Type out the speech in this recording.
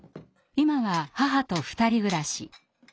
今は母と２人暮らし。